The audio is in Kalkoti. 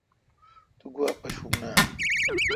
تو گوا پاشون اؘ۔